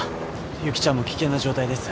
ゆきちゃんも危険な状態です。